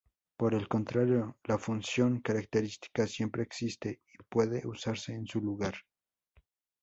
Por el contrario, la función característica siempre existe y puede usarse en su lugar.